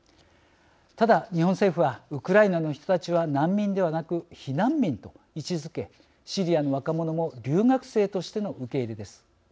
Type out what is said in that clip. ただ、日本政府はウクライナの人たちは難民ではなく避難民と位置づけシリアの若者も留学生としての受け入れです。